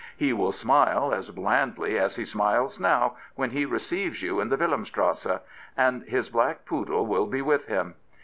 He will smile as blandly as he smiles now when he receives you in the Wilhelmstrasse, and his black poodle will be with him.